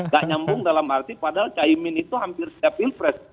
gak nyambung dalam arti padahal caimin itu hampir setilpres